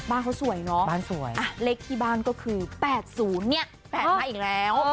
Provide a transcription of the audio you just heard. บ้านเขาสวยเนอะบ้านสวยเลขที่บ้านก็คือ๘๐เนี่ย๘มาอีกแล้ว